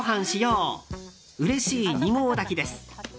うれしい２合炊きです。